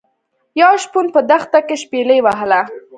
یو شپون په دښته کې شپيلۍ وهله.